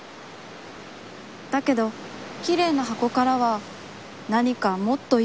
「だけど、きれいな箱からは、何かもっといいものが出てこなくちゃ」